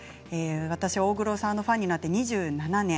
私は大黒さんのファンになって２７年。